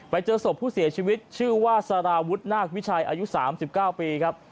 ไปเจอศพผู้เสียชีวิตชื่อว่าสารวุฒินาควิชัยอายุ๓๙ปีครับ